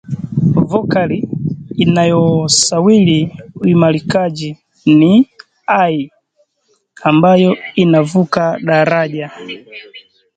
vokali inayosawiri uimarikaji ni "i" ambayo inavuka daraja